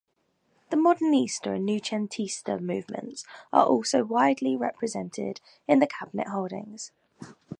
The Modernista and noucentista movements are also widely represented in the Cabinet holdings.